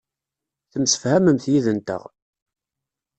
Temsefhamemt yid-nteɣ.